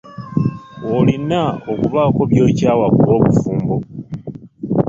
Olina okubaako by'okyawa ku lw'obufumbo.